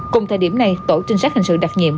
cùng thời điểm này tổ trinh sát hình sự đặc nhiệm